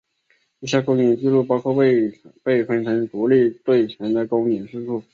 以下公演记录包括未被分成独立队前的公演次数。